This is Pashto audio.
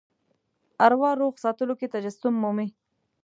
اروا روغ ساتلو کې تجسم مومي.